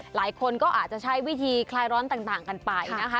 หลายคนก็อาจจะใช้วิธีคลายร้อนต่างกันไปนะคะ